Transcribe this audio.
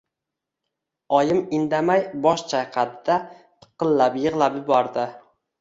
Oyim indamay bosh chayqadi-da, piqillab yig‘lab yubordi.